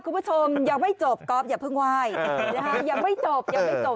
คุณผู้ชมยังไม่จบก๊อบอย่าเพิ่งไหว่